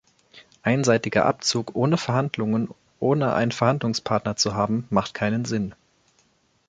Ein einseitiger Abzug ohne Verhandlungen, ohne einen Verhandlungspartner zu haben, macht keinen Sinn!